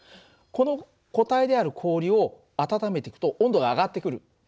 この固体である氷を温めていくと温度が上がってくる。